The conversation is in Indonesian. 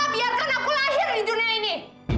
kenapa papa biarkan aku lahir di dunia ini